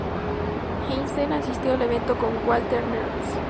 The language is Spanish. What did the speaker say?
Einstein asistió al evento con Walther Nernst.